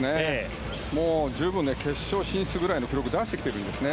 もう十分決勝進出ぐらいの記録を出してきているんですね。